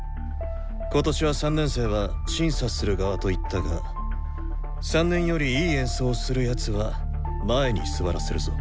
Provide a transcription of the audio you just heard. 今年は３年生は審査する側と言ったが３年よりいい演奏をする奴は前に座らせるぞ。